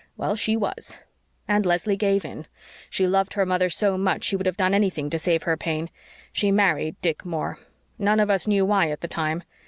Well, she was. "And Leslie gave in she loved her mother so much she would have done anything to save her pain. She married Dick Moore. None of us knew why at the time.